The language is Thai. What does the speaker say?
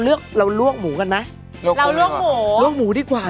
เนื้อสัตว์อะไรมา